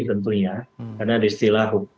tentunya karena ada istilah